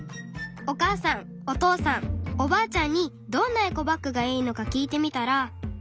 お母さんお父さんおばあちゃんにどんなエコバッグがいいのか聞いてみたら。